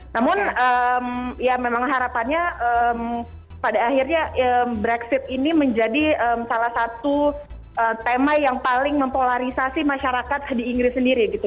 namun ya memang harapannya pada akhirnya brexit ini menjadi salah satu tema yang paling mempolarisasi masyarakat di inggris sendiri gitu